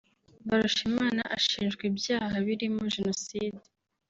Mbarushima ashinjwa ibyaha birimo Jenoside